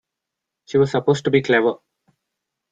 She was supposed to be clever.